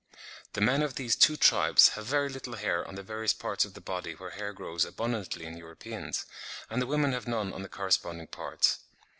The men of these two tribes have very little hair on the various parts of the body where hair grows abundantly in Europeans, and the women have none on the corresponding parts.